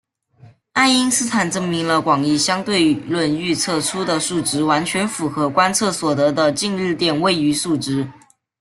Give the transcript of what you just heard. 爱因斯坦证明了广义相对论预测出的数值完全符合观测所得的近日点位移数值。